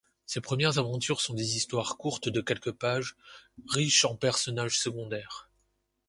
Ses premières aventures sont des histoires courtes de quelques pages, riches en personnages secondaires.